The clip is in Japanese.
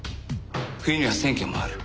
冬には選挙もある。